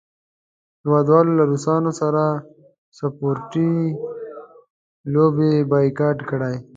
هیوادونو له روسانو سره سپورټي لوبې بایکاټ کړې.